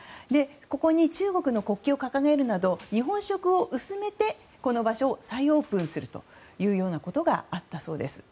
ここに中国の国旗を掲げるなど日本色を薄めてこの場所を再オープンするというようなことがあったそうです。